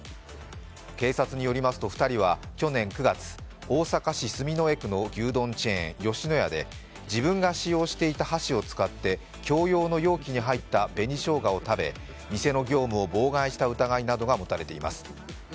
警察によりますと２人は去年９月大阪府住之江区の牛丼チェーン・吉野家で自分が使用していた箸を使って、共用の容器に入った紅しょうがを食べ、店の業務を妨害した疑いなどが持たれています。